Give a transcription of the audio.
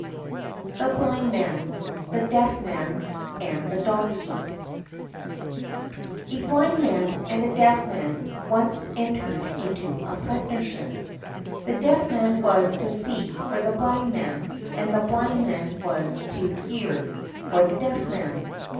The Blind Man, the Deaf Man, and the Donkey A blind Man and a Deaf Man once entered into partnership. The Deaf Man was to see for the Blind Man, and the Blind Man was to hear for the Deaf Man.